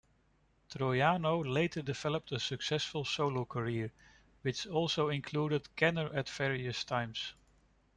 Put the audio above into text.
Troiano later developed a successful solo career, which also included Kenner at various times.